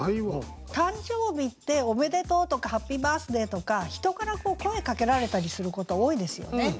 誕生日って「おめでとう」とか「ハッピーバースデー」とか人から声かけられたりすること多いですよね。